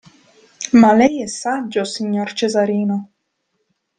Ma lei è saggio, signor Cesarino!